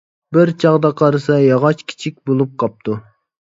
بىر چاغدا قارىسا، ياغاچ كىچىك بولۇپ قاپتۇ.